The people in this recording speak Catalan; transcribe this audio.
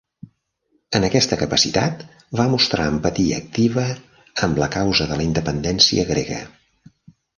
En aquesta capacitat, va mostrar empatia activa amb la causa de la independència grega.